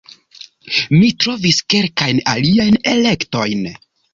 Mi trovis kelkajn aliajn elektojn